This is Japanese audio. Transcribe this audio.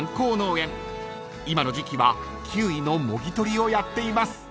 ［今の時季はキウイのもぎ採りをやっています］